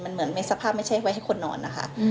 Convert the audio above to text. มันเหมือนมีสภาพไม่ใช่ไว้ให้คนนอนนะคะ